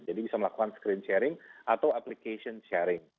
jadi bisa melakukan screen sharing atau application sharing